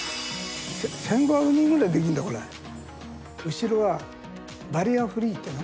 後ろはバリアフリーっていうの？